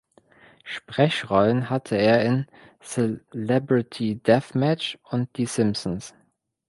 Sprechrollen hatte er in "Celebrity Deathmatch" und "Die Simpsons".